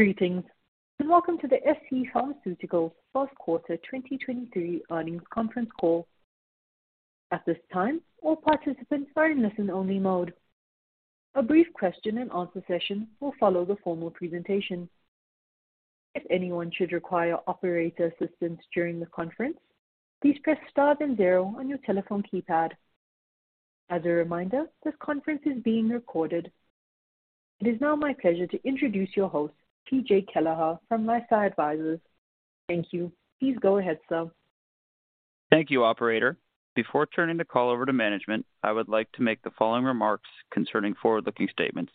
Greetings, welcome to the scPharmaceuticals' 1st quarter 2023 earnings conference call. At this time, all participants are in listen-only mode. A brief question and answer session will follow the formal presentation. If anyone should require operator assistance during the conference, please press Star then zero on your telephone keypad. As a reminder, this conference is being recorded. It is now my pleasure to introduce your host, PJ Kelleher from LifeSci Advisors. Thank you. Please go ahead, sir. Thank you, operator. Before turning the call over to management, I would like to make the following remarks concerning forward-looking statements.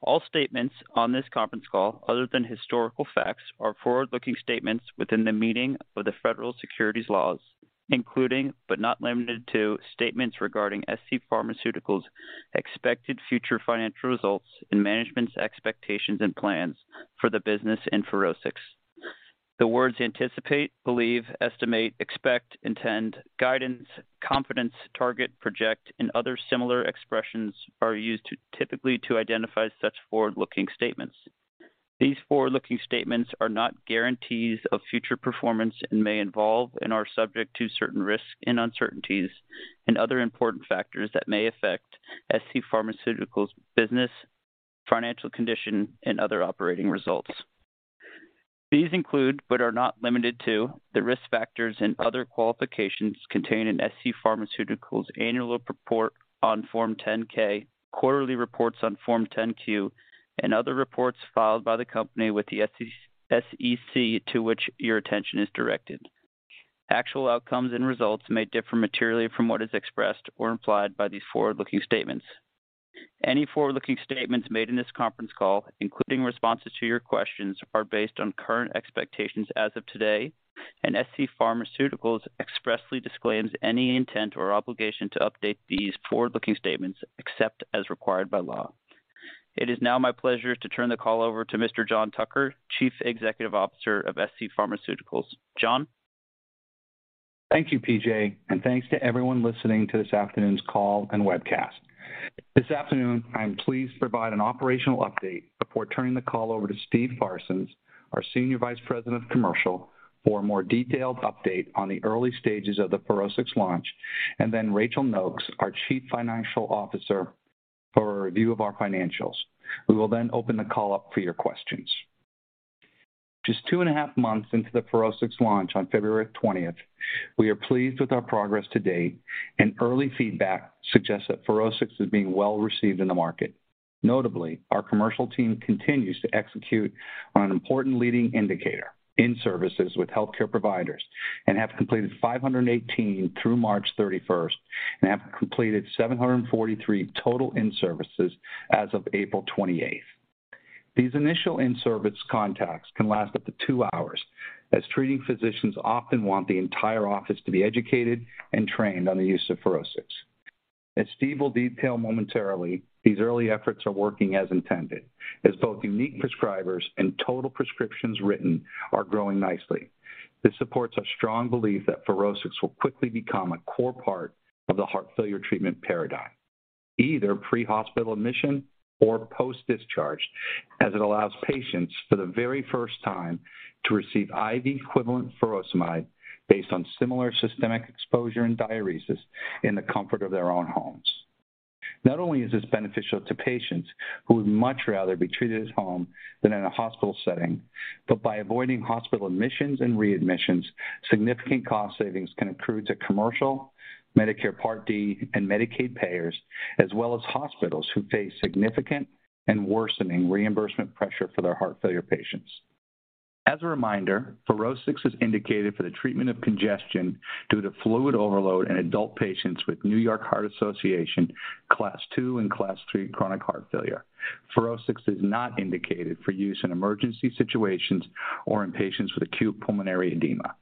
All statements on this conference call other than historical facts are forward-looking statements within the meaning of the federal securities laws, including, but not limited to, statements regarding scPharmaceuticals' expected future financial results and management's expectations and plans for the business and FUROSCIX. The words anticipate, believe, estimate, expect, intend, guidance, confidence, target, project, and other similar expressions are typically to identify such forward-looking statements. These forward-looking statements are not guarantees of future performance and may involve and are subject to certain risks and uncertainties and other important factors that may affect scPharmaceuticals' business, financial condition, and other operating results. These include, but are not limited to, the risk factors and other qualifications contained in scPharmaceuticals' annual report on Form 10-K, quarterly reports on Form 10-Q, and other reports filed by the company with the SEC to which your attention is directed. Actual outcomes and results may differ materially from what is expressed or implied by these forward-looking statements. Any forward-looking statements made in this conference call, including responses to your questions, are based on current expectations as of today, and scPharmaceuticals expressly disclaims any intent or obligation to update these forward-looking statements except as required by law. It is now my pleasure to turn the call over to Mr. John Tucker, Chief Executive Officer of scPharmaceuticals. John? Thank you, PJ. Thanks to everyone listening to this afternoon's call and webcast. This afternoon, I'm pleased to provide an operational update before turning the call over to Steve Parsons, our Senior Vice President of Commercial, for a more detailed update on the early stages of the FUROSCIX launch, and then Rachael Nokes, our Chief Financial Officer, for a review of our financials. We will open the call up for your questions. Just two and a half months into the FUROSCIX launch on February 20th, we are pleased with our progress to date, and early feedback suggests that FUROSCIX is being well-received in the market. Notably, our commercial team continues to execute on an important leading indicator in services with healthcare providers and have completed 518 through March 31st and have completed 743 total in-services as of April 28th. These initial in-service contacts can last up to two hours, as treating physicians often want the entire office to be educated and trained on the use of FUROSCIX. As Steve will detail momentarily, these early efforts are working as intended as both unique prescribers and total prescriptions written are growing nicely. This supports our strong belief that FUROSCIX will quickly become a core part of the heart failure treatment paradigm, either pre-hospital admission or post-discharge, as it allows patients for the very first time to receive IV equivalent furosemide based on similar systemic exposure and diuresis in the comfort of their own homes. Not only is this beneficial to patients who would much rather be treated at home than in a hospital setting, but by avoiding hospital admissions and readmissions, significant cost savings can accrue to commercial, Medicare Part D, and Medicaid payers, as well as hospitals who face significant and worsening reimbursement pressure for their heart failure patients. As a reminder, FUROSCIX is indicated for the treatment of congestion due to fluid overload in adult patients with New York Heart Association Class II and Class III chronic heart failure. FUROSCIX is not indicated for use in emergency situations or in patients with acute pulmonary edema.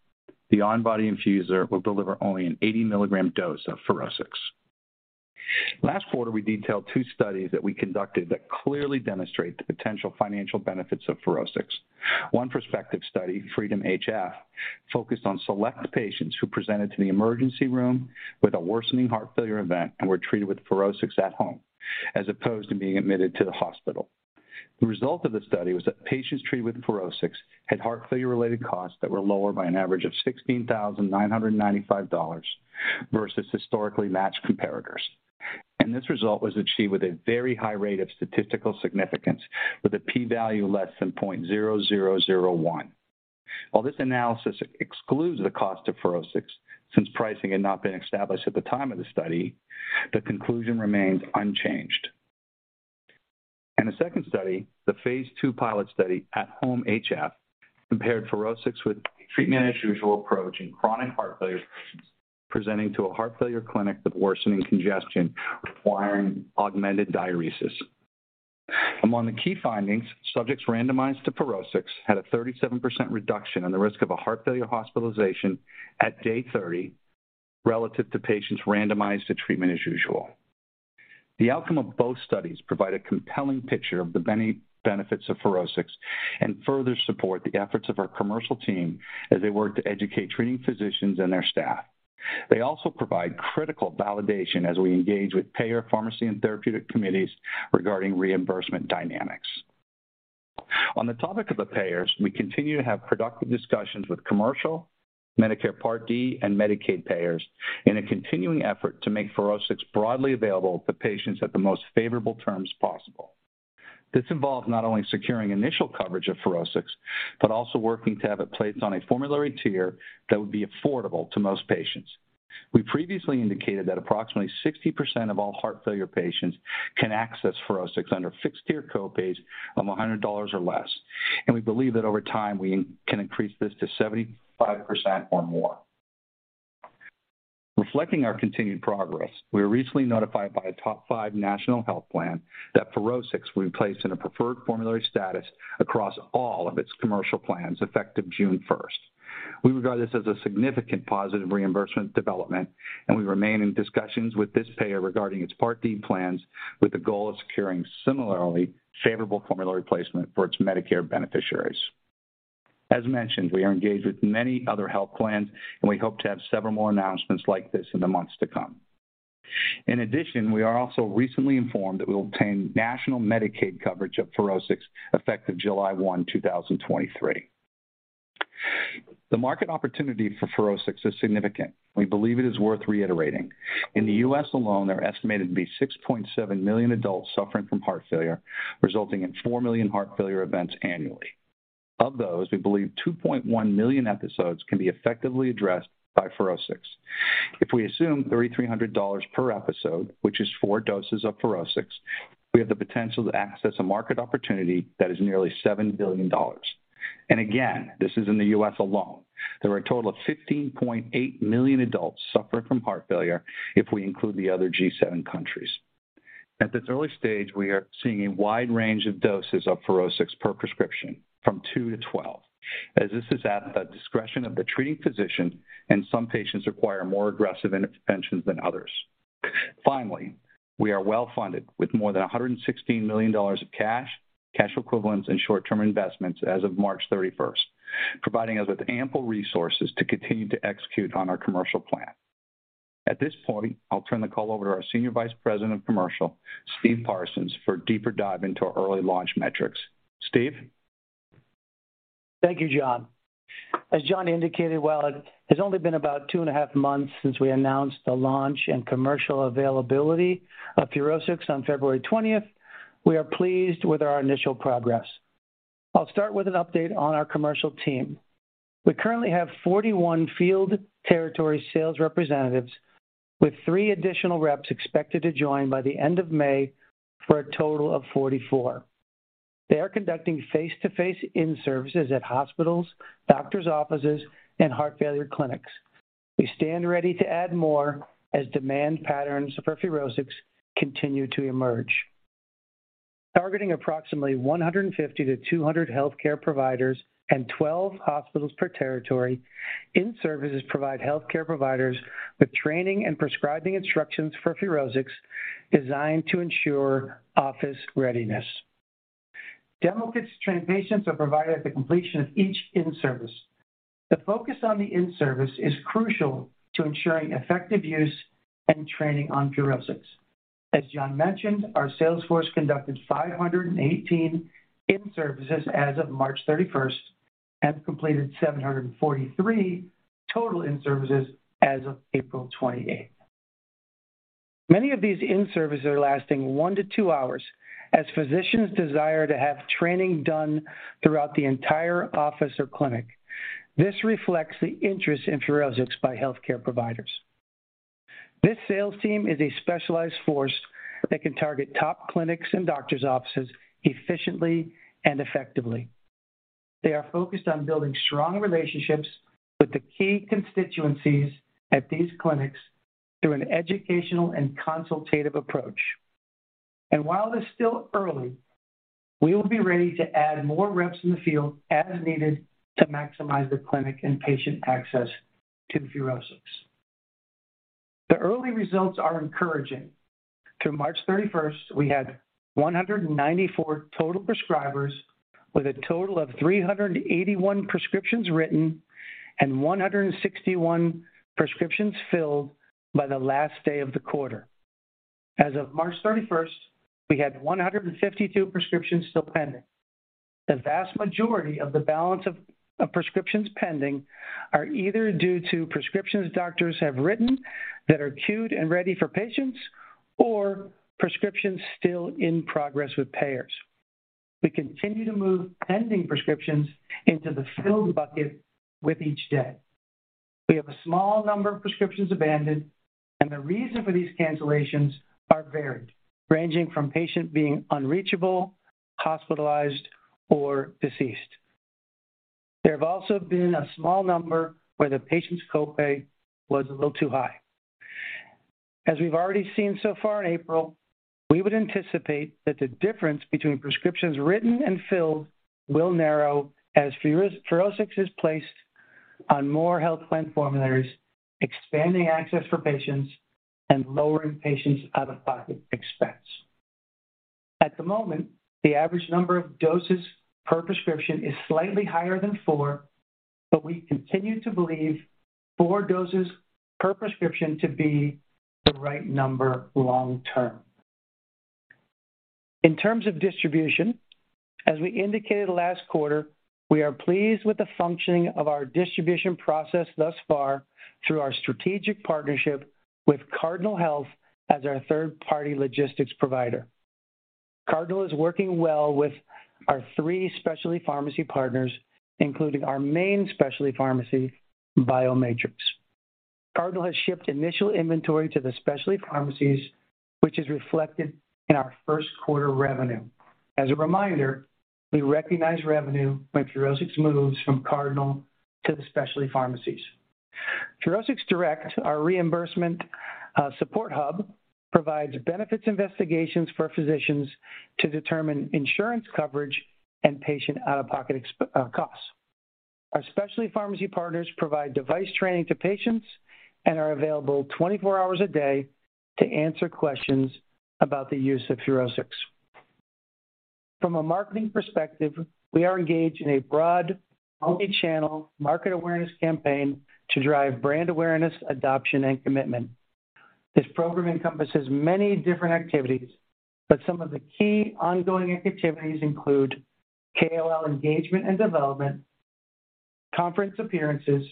The On-Body Infusor will deliver only an 80-milligram dose of FUROSCIX. Last quarter, we detailed two studies that we conducted that clearly demonstrate the potential financial benefits of FUROSCIX. One prospective study, FREEDOM-HF, focused on select patients who presented to the emergency room with a worsening heart failure event and were treated with FUROSCIX at home, as opposed to being admitted to the hospital. The result of the study was that patients treated with FUROSCIX had heart failure-related costs that were lower by an average of $16,995 versus historically matched comparators. This result was achieved with a very high rate of statistical significance with a P value less than 0.0001. While this analysis excludes the cost of FUROSCIX, since pricing had not been established at the time of the study, the conclusion remains unchanged. In a second study, the phase two pilot study, AT HOME-HF, compared FUROSCIX with treatment as usual approach in chronic heart failure patients presenting to a heart failure clinic with worsening congestion requiring augmented diuresis. Among the key findings, subjects randomized to FUROSCIX had a 37% reduction in the risk of a heart failure hospitalization at day 30 relative to patients randomized to treatment as usual. The outcome of both studies provide a compelling picture of the benefits of FUROSCIX and further support the efforts of our commercial team as they work to educate treating physicians and their staff. They also provide critical validation as we engage with payer pharmacy and therapeutic committees regarding reimbursement dynamics. On the topic of the payers, we continue to have productive discussions with commercial, Medicare Part D, and Medicaid payers in a continuing effort to make FUROSCIX broadly available to patients at the most favorable terms possible. This involves not only securing initial coverage of FUROSCIX, but also working to have it placed on a formulary tier that would be affordable to most patients. We previously indicated that approximately 60% of all heart failure patients can access FUROSCIX under fixed tier copays of $100 or less, and we believe that over time, we can increase this to 75% or more. Reflecting our continued progress, we were recently notified by a top five national health plan that FUROSCIX will be placed in a preferred formulary status across all of its commercial plans effective June first. We regard this as a significant positive reimbursement development, and we remain in discussions with this payer regarding its Part D plans with the goal of securing similarly favorable formulary placement for its Medicare beneficiaries. As mentioned, we are engaged with many other health plans, and we hope to have several more announcements like this in the months to come. We are also recently informed that we will obtain national Medicaid coverage of FUROSCIX effective July 1, 2023. The market opportunity for FUROSCIX is significant. We believe it is worth reiterating. In the U.S. alone, there are estimated to be 6.7 million adults suffering from heart failure, resulting in four million heart failure events annually. Of those, we believe 2.1 million episodes can be effectively addressed by FUROSCIX. If we assume $3,300 per episode, which is four doses of FUROSCIX, we have the potential to access a market opportunity that is nearly $7 billion. Again, this is in the U.S. alone. There are a total of 15.8 million adults suffering from heart failure if we include the other G7 countries. At this early stage, we are seeing a wide range of doses of FUROSCIX per prescription from two to 12 as this is at the discretion of the treating physician and some patients require more aggressive interventions than others. Finally, we are well-funded with more than $116 million of cash equivalents, and short-term investments as of March 31st, providing us with ample resources to continue to execute on our commercial plan. At this point, I'll turn the call over to our Senior Vice President of Commercial, Steve Parsons, for a deeper dive into our early launch metrics. Steve? Thank you, John. As John indicated, while it has only been about 2.5 months since we announced the launch and commercial availability of FUROSCIX on February 20th, we are pleased with our initial progress. I'll start with an update on our commercial team. We currently have 41 field territory sales representatives with 3 additional reps expected to join by the end of May for a total of 44. They are conducting face-to-face in-services at hospitals, doctor's offices, and heart failure clinics. We stand ready to add more as demand patterns for FUROSCIX continue to emerge. Targeting approximately 150-200 healthcare providers and 12 hospitals per territory, in-services provide healthcare providers with training and prescribing instructions for FUROSCIX designed to ensure office readiness. Demo kits to train patients are provided at the completion of each in-service. The focus on the in-service is crucial to ensuring effective use and training on FUROSCIX. As John mentioned, our sales force conducted 518 in-services as of March 31st and completed 743 total in-services as of April 28th. Many of these in-services are lasting one to two hours as physicians desire to have training done throughout the entire office or clinic. This reflects the interest in FUROSCIX by healthcare providers. This sales team is a specialized force that can target top clinics and doctor's offices efficiently and effectively. They are focused on building strong relationships with the key constituencies at these clinics through an educational and consultative approach. While it's still early, we will be ready to add more reps in the field as needed to maximize the clinic and patient access to FUROSCIX. The early results are encouraging. Through March 31st, we had 194 total prescribers with a total of 381 prescriptions written and 161 prescriptions filled by the last day of the quarter. As of March 31st, we had 152 prescriptions still pending. The vast majority of the balance of prescriptions pending are either due to prescriptions doctors have written that are queued and ready for patients or prescriptions still in progress with payers. We continue to move pending prescriptions into the filled bucket with each day. We have a small number of prescriptions abandoned. The reason for these cancellations are varied, ranging from patient being unreachable, hospitalized, or deceased. There have also been a small number where the patient's copay was a little too high. As we've already seen so far in April, we would anticipate that the difference between prescriptions written and filled will narrow as FUROSCIX is placed on more health plan formularies, expanding access for patients and lowering patients' out-of-pocket expense. At the moment, the average number of doses per prescription is slightly higher than four, but we continue to believe four doses per prescription to be the right number long term. In terms of distribution, as we indicated last quarter, we are pleased with the functioning of our distribution process thus far through our strategic partnership with Cardinal Health as our third-party logistics provider. Cardinal is working well with our three Specialty Pharmacy Partners, including our main specialty pharmacy, BioMatrix. Cardinal has shipped initial inventory to the specialty pharmacies, which is reflected in our first quarter revenue. As a reminder, we recognize revenue when FUROSCIX moves from Cardinal to the specialty pharmacies. FUROSCIX Direct, our reimbursement support hub, provides benefits investigations for physicians to determine insurance coverage and patient out-of-pocket costs. Our specialty pharmacy partners provide device training to patients and are available 24 hours a day to answer questions about the use of FUROSCIX. From a marketing perspective, we are engaged in a broad omni-channel market awareness campaign to drive brand awareness, adoption, and commitment. This program encompasses many different activities, but some of the key ongoing activities include KOL engagement and development, conference appearances,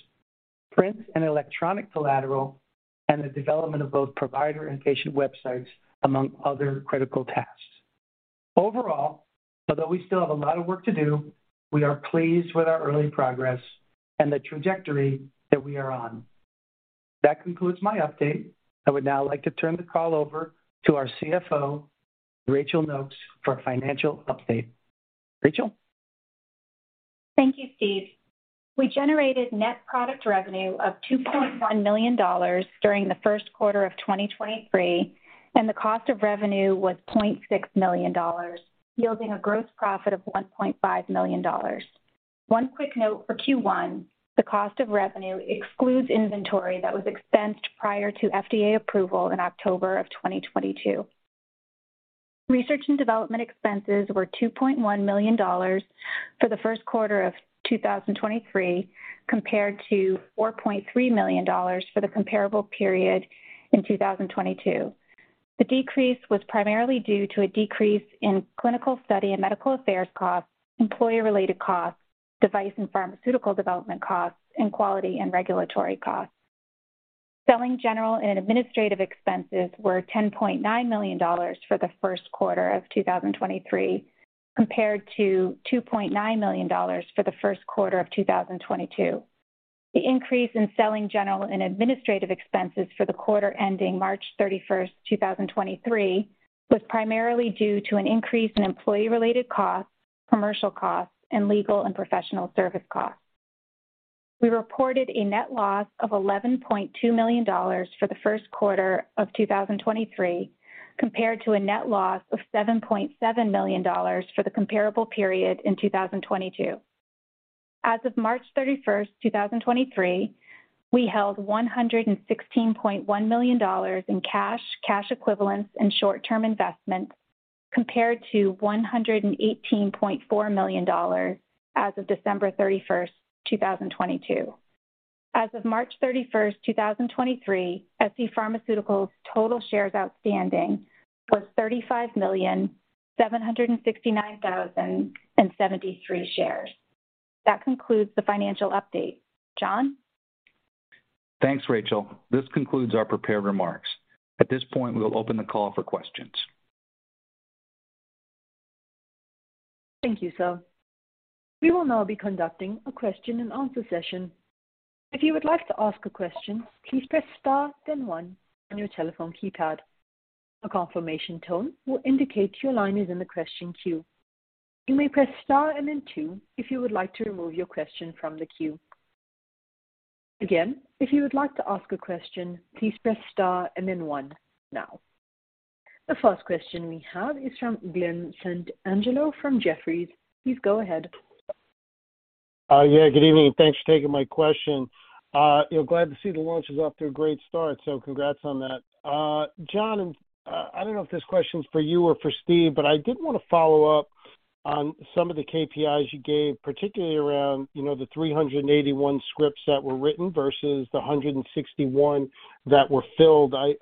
print and electronic collateral, and the development of both provider and patient websites, among other critical tasks. Overall, although we still have a lot of work to do, we are pleased with our early progress and the trajectory that we are on. That concludes my update. I would now like to turn the call over to our CFO, Rachael Nokes, for a financial update. Rachel? Thank you, Steve. We generated net product revenue of $2.1 million during the first quarter of 2023. The cost of revenue was $0.6 million, yielding a gross profit of $1.5 million. One quick note for Q1, the cost of revenue excludes inventory that was expensed prior to FDA approval in October of 2022. Research and development expenses were $2.1 million for the first quarter of 2023, compared to $4.3 million for the comparable period in 2022. The decrease was primarily due to a decrease in clinical study and medical affairs costs, employee-related costs, device and pharmaceutical development costs, and quality and regulatory costs. Selling general and administrative expenses were $10.9 million for the first quarter of 2023, compared to $2.9 million for the first quarter of 2022. The increase in selling general and administrative expenses for the quarter ending March 31st, 2023, was primarily due to an increase in employee-related costs, commercial costs, and legal and professional service costs. We reported a net loss of $11.2 million for the first quarter of 2023, compared to a net loss of $7.7 million for the comparable period in 2022. As of March 31st, 2023, we held $116.1 million in cash equivalents, and short-term investments, compared to $118.4 million as of December 31st, 2022. As of March 31st, 2023, scPharmaceuticals' total shares outstanding was 35,769,073 shares. That concludes the financial update. John? Thanks, Rachel. This concludes our prepared remarks. At this point, we will open the call for questions. Thank you, sir. We will now be conducting a question and answer session. If you would like to ask a question, please press star then one on your telephone keypad. A confirmation tone will indicate your line is in the question queue. You may press star and then two if you would like to remove your question from the queue. Again, if you would like to ask a question, please press star and then one now. The first question we have is from Glen Santangelo from Jefferies. Please go ahead. Yeah, good evening. Thanks for taking my question. You know, glad to see the launch is off to a great start, congrats on that. John, I don't know if this question's for you or for Steve, but I did wanna follow up on some of the KPIs you gave, particularly around, you know, the 381 scripts that were written versus the 161 that were filled. I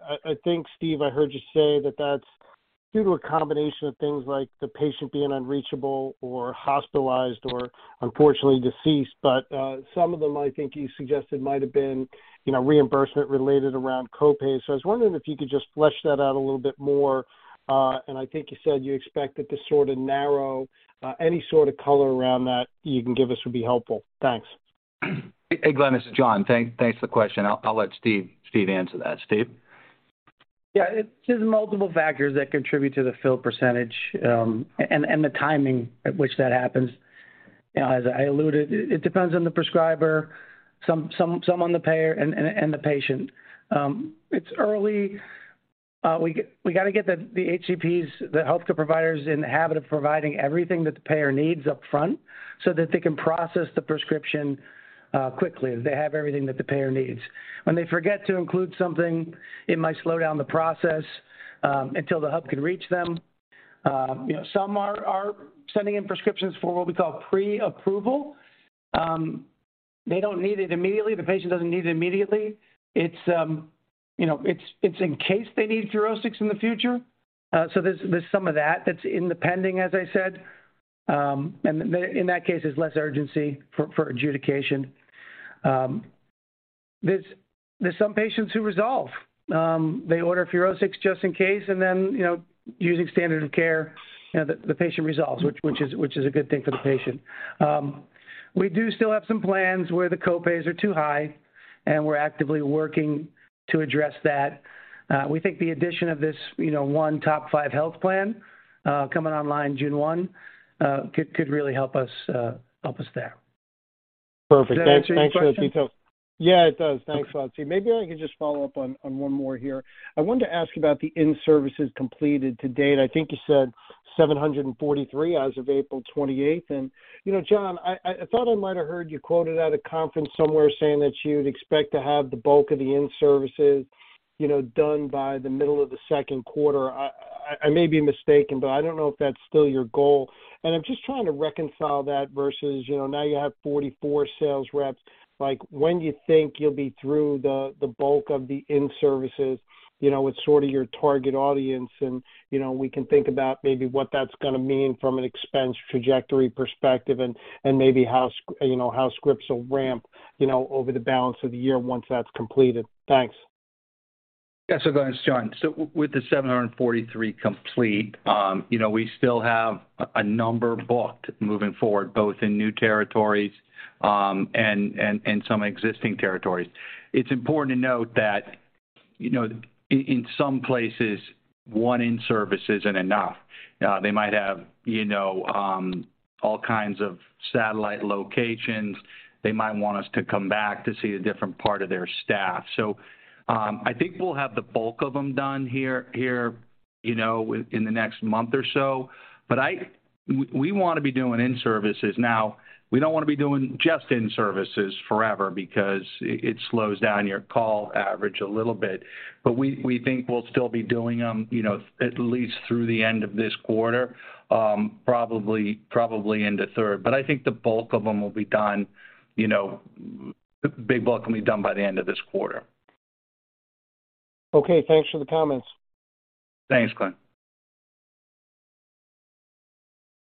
think, Steve, I heard you say that that's due to a combination of things like the patient being unreachable or hospitalized or unfortunately deceased. Some of them I think you suggested might have been, you know, reimbursement related around copay. I was wondering if you could just flesh that out a little bit more. I think you said you expect it to sort of narrow. Any sort of color around that you can give us would be helpful. Thanks. Hey, Glen, this is John. Thanks for the question. I'll let Steve answer that. Steve? Yeah, it, there's multiple factors that contribute to the fill percentage, and the timing at which that happens. You know, as I alluded, it depends on the prescriber, some on the payer and the patient. It's early. We gotta get the HCPs, the healthcare providers in the habit of providing everything that the payer needs up front so that they can process the prescription quickly if they have everything that the payer needs. When they forget to include something, it might slow down the process until the hub can reach them. You know, some are sending in prescriptions for what we call pre-approval. They don't need it immediately. The patient doesn't need it immediately. It's, you know, it's in case they need FUROSCIX in the future. There's some of that that's in the pending, as I said. In that case, there's less urgency for adjudication. There's some patients who resolve. They order FUROSCIX just in case and then, you know, using standard of care, you know, the patient resolves, which is a good thing for the patient. We do still have some plans where the copays are too high, and we're actively working to address that. We think the addition of this, you know, one top five health plan, coming online June one, could really help us help us there. Perfect. Does that answer your question? Thanks for the detail. Yeah, it does. Thanks, Steve. Maybe I could just follow up on one more here. I wanted to ask about the in-services completed to date. I think you said 743 as of April 28th. You know, John, I, I thought I might have heard you quoted at a conference somewhere saying that you'd expect to have the bulk of the in-services, you know, done by the middle of the second quarter. I may be mistaken, but I don't know if that's still your goal. I'm just trying to reconcile that versus, you know, now you have 44 sales reps. Like, when do you think you'll be through the bulk of the in-services, you know, with sort of your target audience and, you know, we can think about maybe what that's gonna mean from an expense trajectory perspective and maybe how scripts will ramp, you know, over the balance of the year once that's completed? Thanks. Yes. Go ahead, John. With the 743 complete, you know, we still have a number booked moving forward, both in new territories and some existing territories. It's important to note that, you know, in some places, one in-service isn't enough. They might have, you know, all kinds of satellite locations. They might want us to come back to see a different part of their staff. I think we'll have the bulk of them done here, you know, in the next month or so. We wanna be doing in-services. Now, we don't wanna be doing just in-services forever because it slows down your call average a little bit. We think we'll still be doing them, you know, at least through the end of this quarter, probably into third. I think the bulk of them will be done, you know. The big bulk can be done by the end of this quarter. Okay, thanks for the comments. Thanks, Glenn.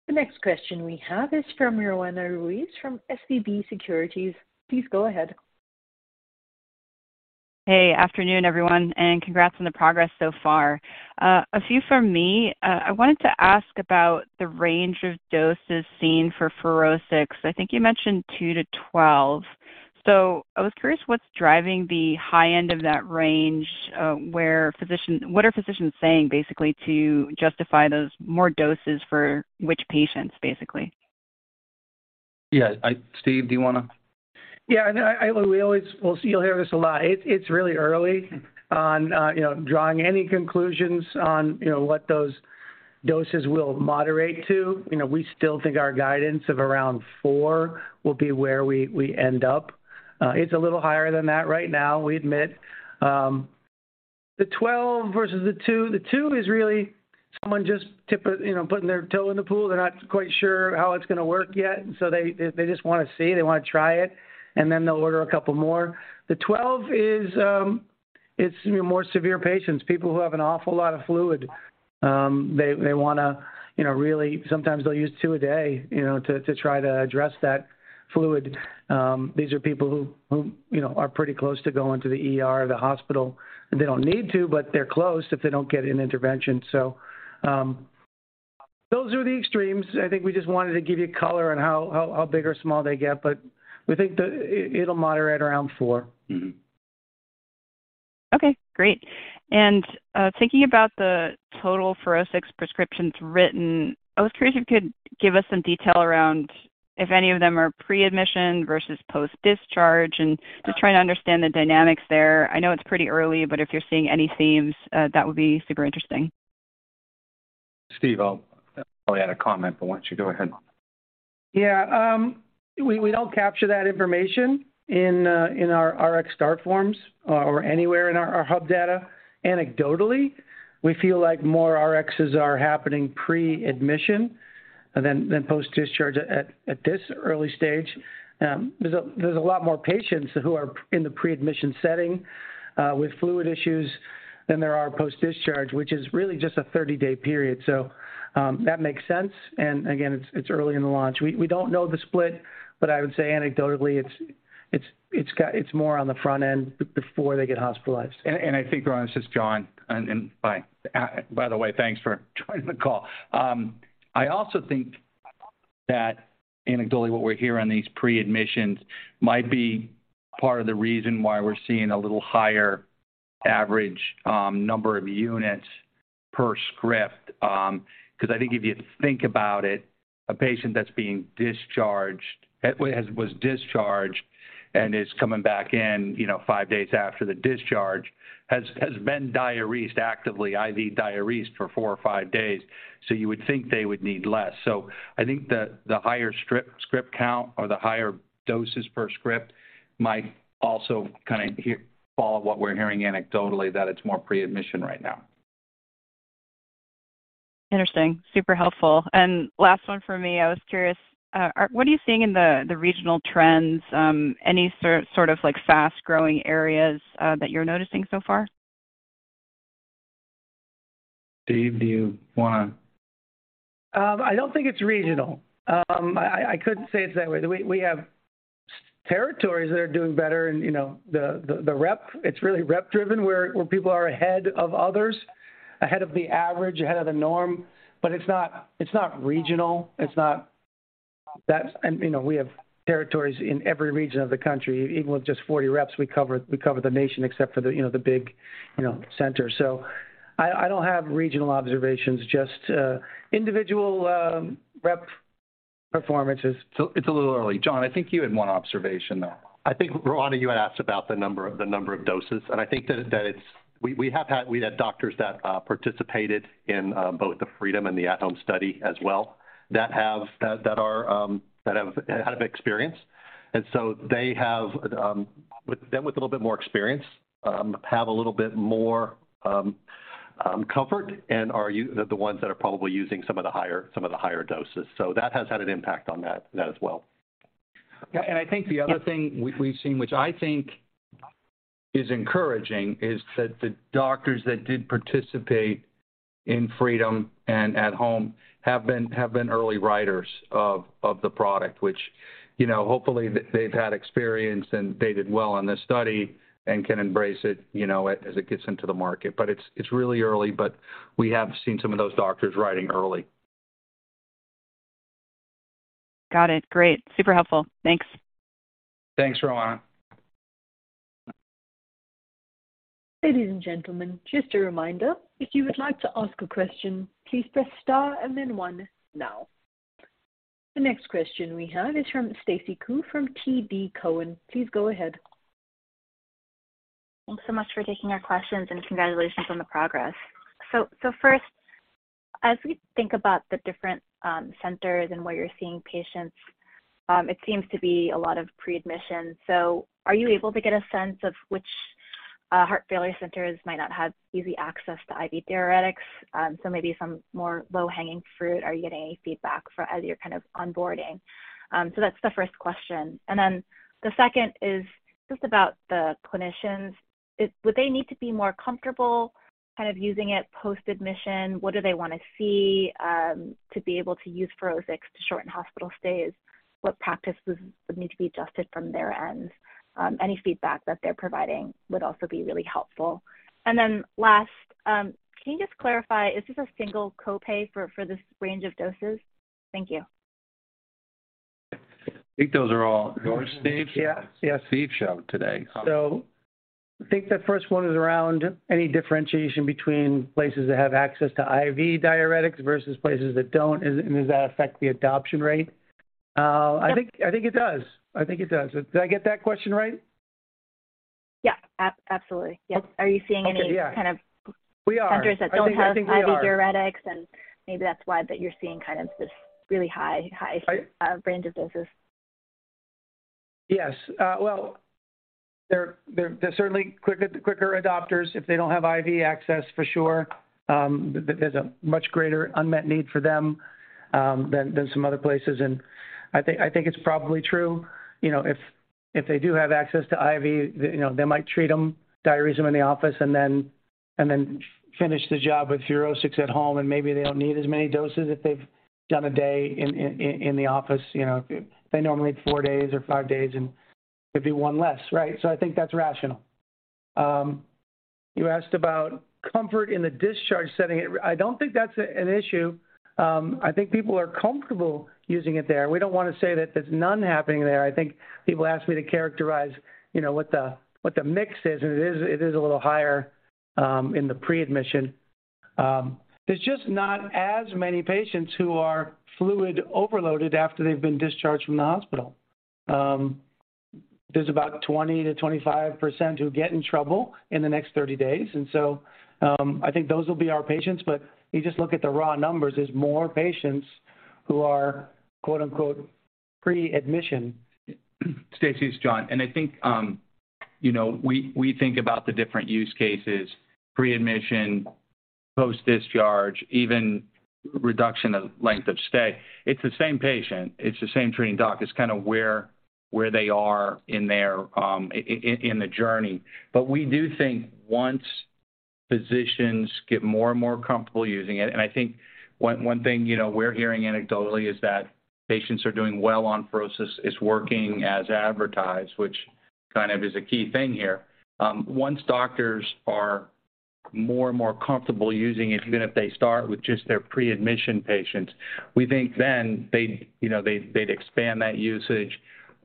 The next question we have is from Roanna Ruiz from SVB Securities. Please go aheaHey. Afternoon, everyone. Congrats on the progress so far. A few from me. I wanted to ask about the range of doses seen for FUROSCIX. I think you mentioned two to 12. I was curious what's driving the high end of that range, what are physicians saying basically to justify those more doses for which patients, basically? Yeah. Steve, do you wanna? Yeah. Well, you'll hear this a lot. It's really early on, you know, drawing any conclusions on, you know, what those doses will moderate to. You know, we still think our guidance of around four will be where we end up. It's a little higher than that right now, we admit. The 12 versus the two. The two is really someone just, you know, putting their toe in the pool. They're not quite sure how it's gonna work yet, so they just wanna see, they wanna try it, and then they'll order a couple more. The 12 is, it's your more severe patients, people who have an awful lot of fluid. They wanna, you know, really. Sometimes they'll use two a day, you know, to try to address that fluid. These are people who, you know, are pretty close to going to the ER or the hospital. They don't need to, but they're close if they don't get an intervention. Those are the extremes. I think we just wanted to give you color on how big or small they get, but we think it'll moderate around four. Mm-hmm. Okay, great. Thinking about the total FUROSCIX prescriptions written, I was curious if you could give us some detail around if any of them are pre-admission versus post-discharge and just trying to understand the dynamics there. I know it's pretty early, but if you're seeing any themes, that would be super interesting. Steve, I'll probably add a comment, but why don't you go ahead. Yeah. We don't capture that information in our RxSTART forms or anywhere in our hub data. Anecdotally, we feel like more Rx's are happening pre-admission than post-discharge at this early stage. There's a lot more patients who are in the pre-admission setting with fluid issues than there are post-discharge, which is really just a 30-day period. That makes sense. Again, it's early in the launch. We don't know the split, but I would say anecdotally it's more on the front end before they get hospitalized. I think, Roanna. This is John. By the way, thanks for joining the call. I also think that anecdotally what we're hearing on these pre-admissions might be part of the reason why we're seeing a little higher average number of units per script. 'Cause I think if you think about it, a patient that's being discharged, was discharged and is coming back in, you know, five days after the discharge has been diuresed actively, IV diuresed for four or five days. You would think they would need less. I think the higher script count or the higher doses per script might also kind of here follow what we're hearing anecdotally, that it's more pre-admission right now. Interesting. Super helpful. Last one for me. I was curious, what are you seeing in the regional trends, any sort of like fast-growing areas, that you're noticing so far? Steve, do you wanna? I don't think it's regional. I could say it's that way. We have territories that are doing better and, you know, the rep... it's really rep-driven where people are ahead of others, ahead of the average, ahead of the norm, but it's not regional. You know, we have territories in every region of the country. Even with just 40 reps, we cover the nation except for the, you know, the big, you know, centers. I don't have regional observations, just individual rep performances. It's a little early. John, I think you had one observation, though. I think, Roanna, you had asked about the number of doses, and I think that we had doctors that participated in both the FREEDOM and the AT HOME study as well, that have, that are that have had experience. They have them with a little bit more experience, have a little bit more comfort and are the ones that are probably using some of the higher doses. That has had an impact on that as well. I think the other thing we've seen, which I think is encouraging, is that the doctors that did participate in FREEDOM and AT HOME have been early writers of the product. Which, you know, hopefully they've had experience and they did well on the study and can embrace it, you know, as it gets into the market. It's really early, but we have seen some of those doctors writing early. Got it. Great. Super helpful. Thanks. Thanks, Roanna. Ladies and gentlemen, just a reminder, if you would like to ask a question, please press star and then one now. The next question we have is from Stacy Ku from TD Cowen. Please go ahead. Thanks so much for taking our questions, and congratulations on the progress. First, as we think about the different centers and where you're seeing patients, it seems to be a lot of pre-admission. Are you able to get a sense of which heart failure centers might not have easy access to IV diuretics? Maybe some more low-hanging fruit. Are you getting any feedback for as you're kind of onboarding? That's the first question. The second is just about the clinicians. Would they need to be more comfortable kind of using it post-admission? What do they wanna see to be able to use FUROSCIX to shorten hospital stays? What practices would need to be adjusted from their end? Any feedback that they're providing would also be really helpful. Last, can you just clarify, is this a single copay for this range of doses? Thank you. I think those are all yours, Steve. Yeah. Yes. Steve show today. I think the first one is around any differentiation between places that have access to IV diuretics versus places that don't. Does that affect the adoption rate? Yep. I think it does. I think it does. Did I get that question right? Yeah. Absolutely. Yes. Are you seeing any- Okay. Yeah. Kind of- We are. Centers that don't have- I think we are.... IV diuretics, and maybe that's why that you're seeing kind of this really high- I- range of doses. Yes. Well, they're certainly quicker adopters if they don't have IV access, for sure. There's a much greater unmet need for them than some other places. I think it's probably true. You know, if they do have access to IV, you know, they might treat them, diuresis them in the office and then finish the job with FUROSCIX at home, and maybe they don't need as many doses if they've done a day in the office. You know, if they normally four days or five days and it'd be one less, right? I think that's rational. You asked about comfort in the discharge setting. I don't think that's an issue. I think people are comfortable using it there. We don't wanna say that there's none happening there. I think people ask me to characterize, you know, what the, what the mix is, and it is, it is a little higher in the pre-admission. There's just not as many patients who are fluid overloaded after they've been discharged from the hospital. There's about 20%-25% who get in trouble in the next 30 days. I think those will be our patients. You just look at the raw numbers, there's more patients who are, quote-unquote, "pre-admission. Stacy, it's John. I think, you know, we think about the different use cases, pre-admission, post-discharge, even reduction of length of stay. It's the same patient, it's the same treating doc. It's kinda where they are in their in the journey. We do think once physicians get more and more comfortable using it, and I think one thing, you know, we're hearing anecdotally is that patients are doing well on FUROSCIX. It's working as advertised, which kind of is a key thing here. Once doctors are more and more comfortable using it, even if they start with just their pre-admission patients, we think then they'd, you know, they'd expand that usage,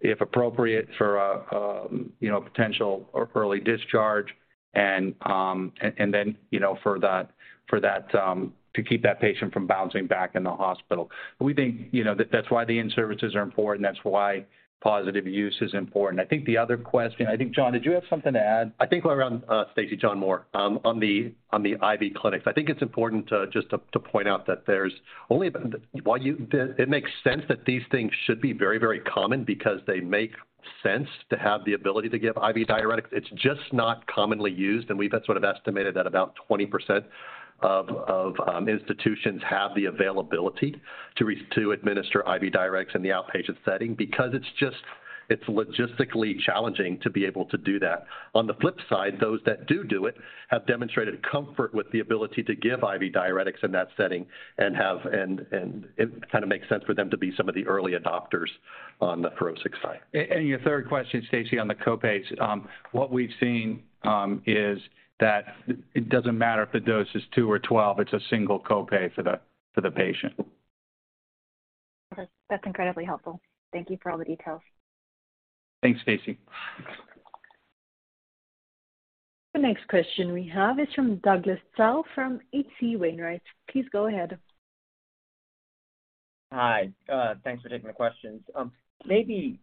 if appropriate for, you know, potential or early discharge and then, you know, for that, to keep that patient from bouncing back in the hospital. We think, you know, that's why the in-services are important, that's why positive use is important. I think the other question. I think, John, did you have something to add? I think around, Stacy, John Moore, on the IV clinics. I think it's important to just to point out that it makes sense that these things should be very, very common because they make sense to have the ability to give IV diuretics. It's just not commonly used, and we've sort of estimated that about 20% of institutions have the availability to administer IV diuretics in the outpatient setting because it's logistically challenging to be able to do that. On the flip side, those that do do it have demonstrated comfort with the ability to give IV diuretics in that setting and have. And it kinda makes sense for them to be some of the early adopters on the FUROSCIX side. Your third question, Stacy, on the copays, what we've seen, is that it doesn't matter if the dose is two or 12, it's a single copay for the patient. That's incredibly helpful. Thank you for all the details. Thanks, Stacy. The next question we have is from Douglas Tsao from H.C. Wainwright. Please go ahead. Hi. Thanks for taking the questions. Maybe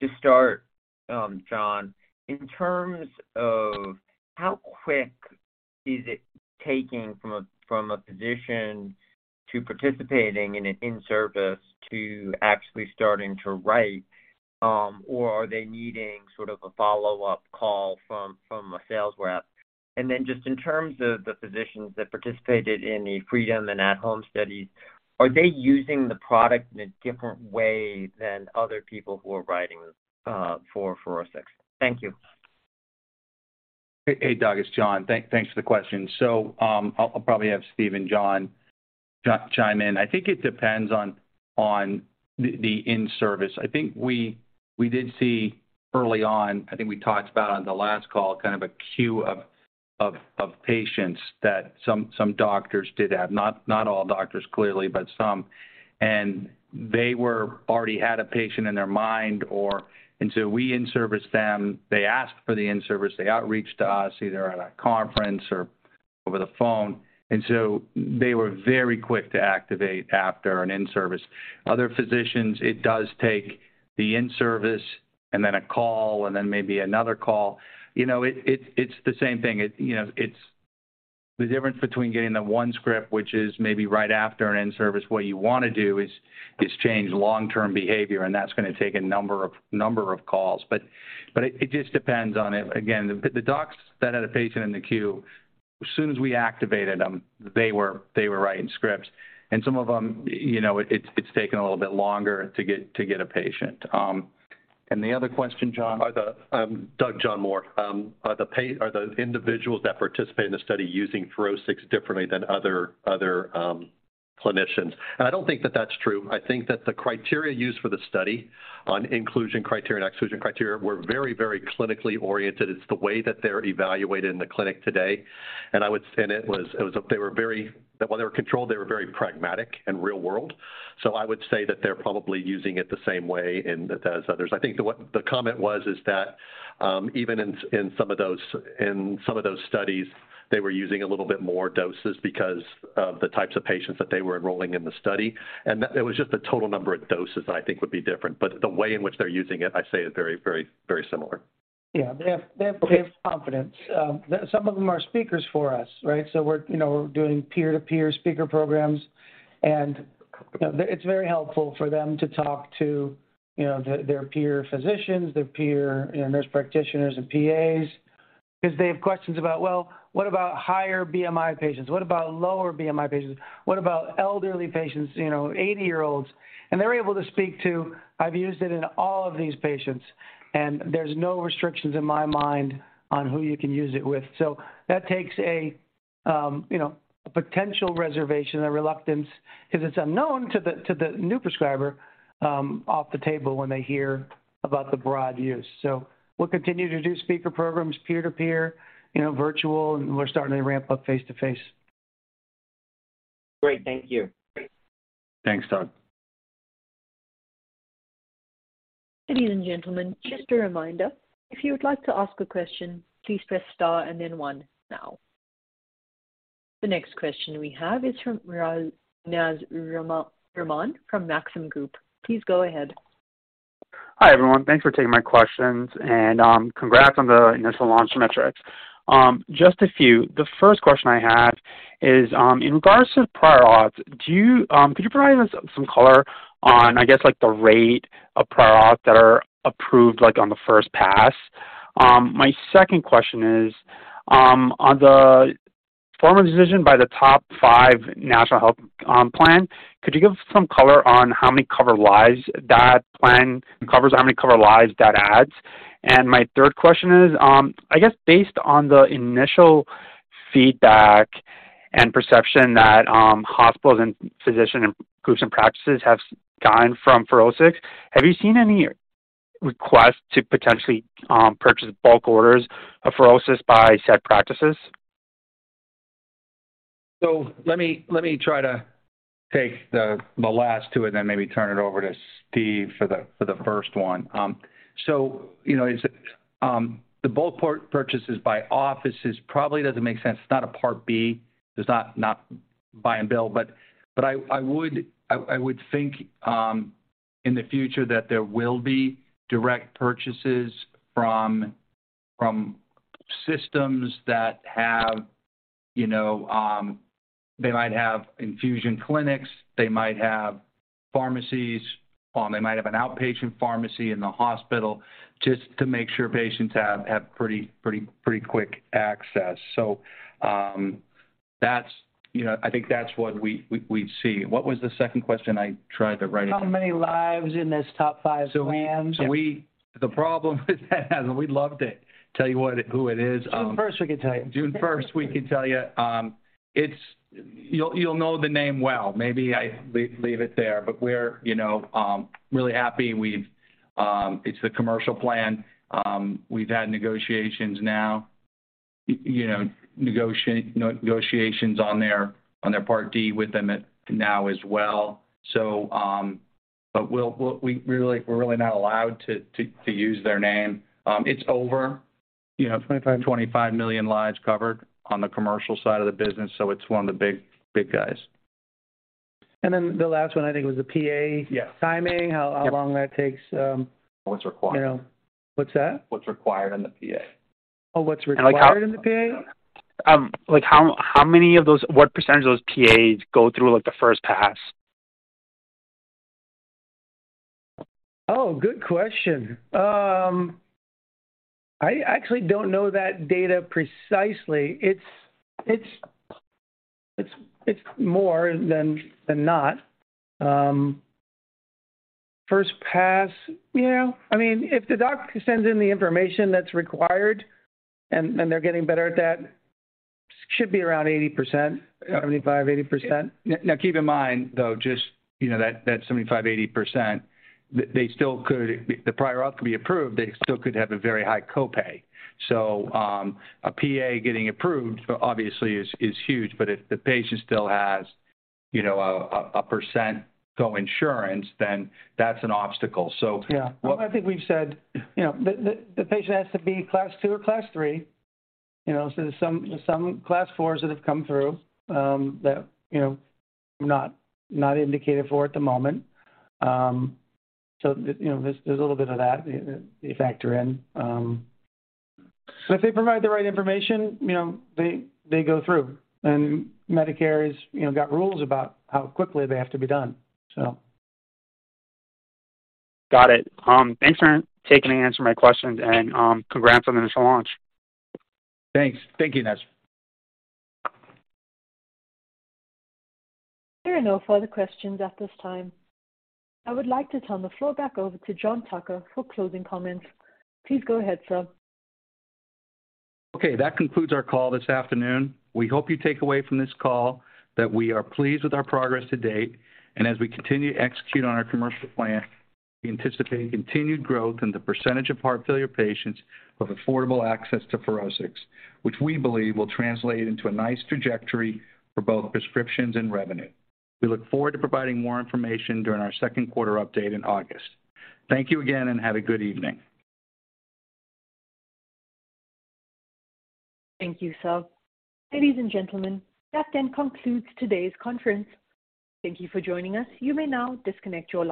to start, John, in terms of how quick is it taking from a physician to participating in an in-service to actually starting to write, or are they needing sort of a follow-up call from a sales rep? Just in terms of the physicians that participated in the FREEDOM and AT HOME studies, are they using the product in a different way than other people who are writing for FUROSCIX? Thank you. Hey, Doug, it's John. Thanks for the question. I'll probably have Steve and John chime in. I think it depends on the in-service. I think we did see early on, I think we talked about on the last call, kind of a queue of patients that some doctors did have. Not all doctors clearly, but some. They already had a patient in their mind or. We in-service them. They ask for the in-service. They outreach to us either at a conference or over the phone. They were very quick to activate after an in-service. Other physicians, it does take the in-service and then a call and then maybe another call. You know, it's the same thing. It, you know, it's the difference between getting the one script, which is maybe right after an in-service. What you wanna do is change long-term behavior, and that's gonna take a number of calls. It just depends on it. Again, the docs that had a patient in the queue, as soon as we activated them, they were writing scripts. Some of them, you know, it's taken a little bit longer to get a patient. The other question, John? Are the, Doug, John Moore. Are the individuals that participate in the study using FUROSCIX differently than other clinicians? I don't think that that's true. I think that the criteria used for the study on inclusion criteria and exclusion criteria were very, very clinically oriented. It's the way that they're evaluated in the clinic today. It was that when they were controlled, they were very pragmatic and real world. I would say that they're probably using it the same way as others. I think the comment was is that even in some of those studies, they were using a little bit more doses because of the types of patients that they were enrolling in the study. That. it was just the total number of doses that I think would be different. The way in which they're using it, I say is very, very, very similar. They have confidence. Some of them are speakers for us, right? We're, you know, doing peer-to-peer speaker programs, and, you know, it's very helpful for them to talk to, you know, their peer physicians, their peer, you know, nurse practitioners and PAs. 'Cause they have questions about, "Well, what about higher BMI patients? What about lower BMI patients? What about elderly patients, you know, 80-year-olds?" They're able to speak to, "I've used it in all of these patients, and there's no restrictions in my mind on who you can use it with." That takes a, you know, a potential reservation, a reluctance, because it's unknown to the, to the new prescriber, off the table when they hear about the broad use. We'll continue to do speaker programs, peer to peer, you know, virtual, and we're starting to ramp up face-to-face. Great. Thank you. Thanks, Doug. Ladies and gentlemen, just a reminder, if you would like to ask a question, please press star and then 1 now. The next question we have is from Naz Rahman from Maxim Group. Please go ahead. Hi, everyone. Thanks for taking my questions. Congrats on the initial launch metrics. Just a few. The first question I have is, in regards to prior auths, could you provide us some color on, I guess, like, the rate of prior auth that are approved, like, on the first pass? My second question is on the formal decision by the top five national health plan. Could you give some color on how many covered lives that plan covers, how many covered lives that adds? My third question is, I guess based on the initial feedback and perception that hospitals and physician groups and practices have gotten from FUROSCIX, have you seen any requests to potentially purchase bulk orders of FUROSCIX by said practices? Let me try to take the last two and then maybe turn it over to Steve for the first one. You know, is it the bulk purchases by offices probably doesn't make sense. It's not a Part B. There's not buy and bill. I would think in the future that there will be direct purchases from systems that have. You know, they might have infusion clinics, they might have pharmacies, they might have an outpatient pharmacy in the hospital just to make sure patients have pretty quick access. That's, you know, I think that's what we see. What was the second question? I tried to write it down. How many lives in this top five plan? We... The problem with that, and we'd love to tell you who it is. June first we can tell you. June 1st we can tell you. You'll know the name well. Maybe I leave it there. We're, you know, really happy. It's the commercial plan. We've had negotiations now. You know, negotiations on their Part D with them at now as well. We're really not allowed to use their name. You know, 25.... 25 million lives covered on the commercial side of the business, so it's one of the big, big guys. The last one I think was the PA. Yeah. timing. How long that takes. What's required. You know. What's that? What's required in the PA? Oh, what's required in the PA? Like, what % of those PAs go through like the first pass? Oh, good question. I actually don't know that data precisely. It's more than not. First pass, you know, I mean, if the doc sends in the information that's required, and they're getting better at that, should be around 80%. 75%-80%. Keep in mind though, just, you know, that 75%, 80%, the prior auth could be approved, they still could have a very high copay. A PA getting approved obviously is huge, but if the patient still has, you know, a percent co-insurance, then that's an obstacle. Yeah. I think we've said, you know, the patient has to be Class II or Class 3, you know. There's some Class 4s that have come through, that, you know, not indicated for at the moment. You know, there's a little bit of that that you factor in. but if they provide the right information, you know, they go through. Medicare is, you know, got rules about how quickly they have to be done. So. Got it. Thanks for taking the answer my questions and, congrats on the initial launch. Thanks. Thank you, Naz. There are no further questions at this time. I would like to turn the floor back over to John Tucker for closing comments. Please go ahead, sir. Okay. That concludes our call this afternoon. We hope you take away from this call that we are pleased with our progress to date, and as we continue to execute on our commercial plan, we anticipate continued growth in the percentage of heart failure patients with affordable access to FUROSCIX, which we believe will translate into a nice trajectory for both prescriptions and revenue. We look forward to providing more information during our second quarter update in August. Thank you again, and have a good evening. Thank you, sir. Ladies and gentlemen, that then concludes today's conference. Thank you for joining us. You may now disconnect your line.